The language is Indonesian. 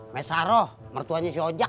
mesaro mertuanya si ojak